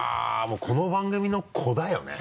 もうこの番組の子だよね。